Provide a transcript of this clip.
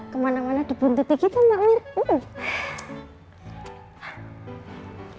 kemana mana dibuntuti kita pak mirna